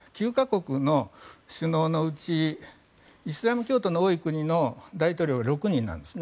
実は９か国の首脳のうちイスラム教徒の多い国の大統領は６人なんですね。